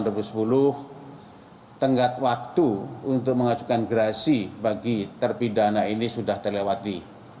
tenggat waktu untuk mengajukan gerasi bagi terpidana ini sudah terlewati